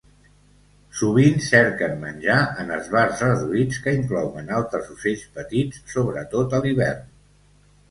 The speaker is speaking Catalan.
Sovint cerquen menjar en esbarts reduïts que inclouen altres ocells petits, sobretot a l'hivern.